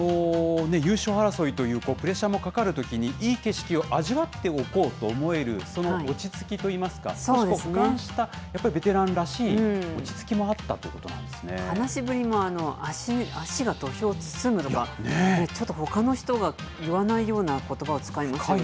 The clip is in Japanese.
優勝争いというプレッシャーもかかるときに、いい景色を味わっておこうと思える、その落ち着きといいますか、ふかんした、やっぱりベテランらしい落ち着きもあったということ話しぶりも足が土俵を包むとか、ちょっとほかの人が言わないようなことばを使いますね。